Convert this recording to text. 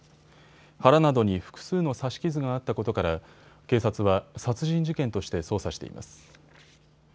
腹などに複数の刺し傷があったことから警察は殺人事件として捜査しています。